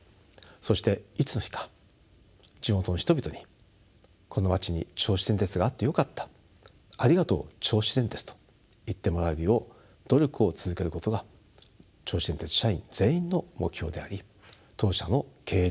そしていつの日か地元の人々にこの町に銚子電鉄があってよかったありがとう銚子電鉄と言ってもらえるよう努力を続けることが銚子電鉄社員全員の目標であり当社の経営理念そのものであります。